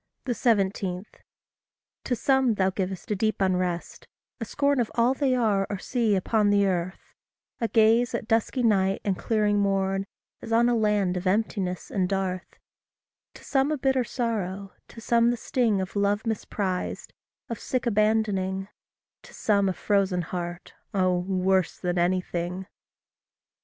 17. To some thou giv'st a deep unrest a scorn Of all they are or see upon the earth; A gaze, at dusky night and clearing morn, As on a land of emptiness and dearth; To some a bitter sorrow; to some the sting Of love misprized of sick abandoning; To some a frozen heart, oh, worse than anything!